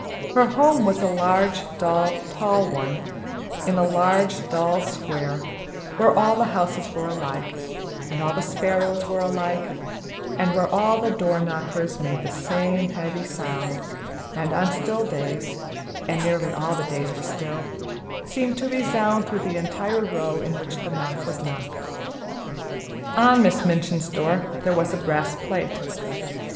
Her home was a large, dull, tall one, in a large, dull square, where all the houses were alike, and all the sparrows were alike, and where all the door knockers made the same heavy sound, and on still days and nearly all the days were still seemed to resound through the entire row in which the knock was knocked. On Miss Minchin's door there was a brass plate.